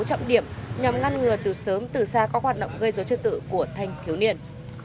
trọng điểm nhằm ngăn ngừa từ sớm từ xa các hoạt động gây dối trật tự của thanh thiếu niên